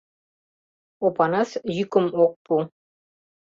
Опанас йӱкым ок пу.